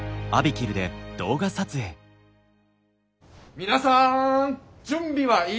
皆さん準備はいいですか？